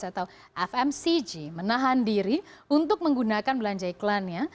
atau fmcg menahan diri untuk menggunakan belanja iklannya